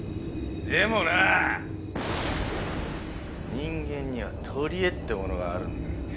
でもなぁ人間にはとりえってものがあるんだよ。